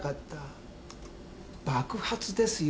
爆発ですよ。